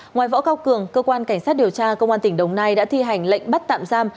ngoài võ cao cường cơ quan cảnh sát điều tra công an tỉnh đồng nai đã thi hành lệnh bắt tạm giam